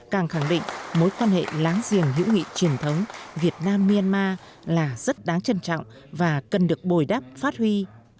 càng khẳng định mối quan hệ láng giềng hữu nghị truyền thống việt nam myanmar là rất đáng trân trọng và cần được bồi đắp phát huy